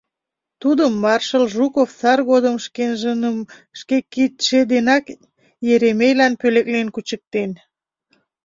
Тудым маршал Жуков сар годым шкенжыным шке кидше денак Еремейлан пӧлеклен кучыктен.